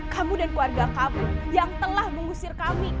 kamu dan keluarga kamu yang telah mengusir kami